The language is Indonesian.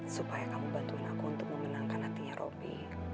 supaya kamu bantuin aku untuk memenangkan hatinya robi